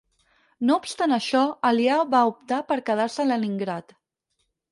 No obstant això, Alià va optar per quedar-se a Leningrad.